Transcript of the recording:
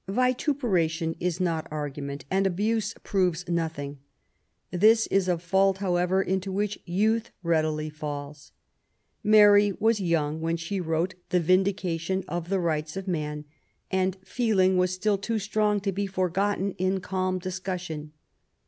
Vituperation is not argument^ and abuse proves nothing. This is a fault, however, into which youth readily falls. Mary was young when she wrote ^the Vindication of the Rights of Man, and feeling was still too strong to be forgotten in calm discussion.